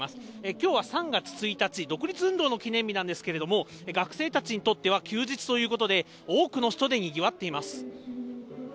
きょうは３月１日、独立運動の記念日なんですけれども、学生たちにとっては休日ということで、多くの人でにぎわっています。